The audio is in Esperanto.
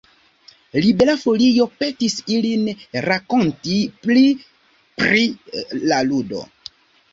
Libera Folio petis ilin rakonti pli pri la ludo.